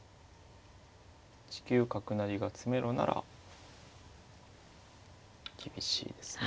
１九角成が詰めろなら厳しいですね。